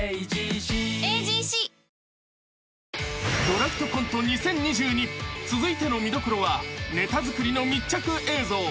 ［『ドラフトコント２０２２』続いての見どころはネタ作りの密着映像］